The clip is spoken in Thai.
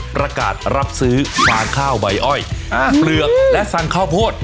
ประกาศรับซื้อฟางข้าวใบอ้อยเปลือกและฟางข้าวโพด